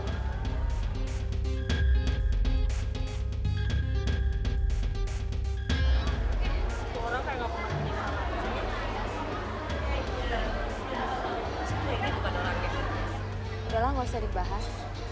udah lah gak usah dibahas